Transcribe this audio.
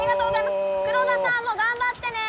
黒田さんも頑張ってね！